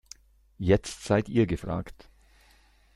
Jetzt seid ihr gefragt.